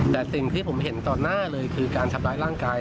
แต่สิ่งที่ผมเห็นต่อหน้าเลยคือการทำร้ายร่างกาย